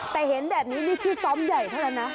แต่เห็นแบบนี้นี่ชื่อซ้อมใหญ่เท่านั้นนะ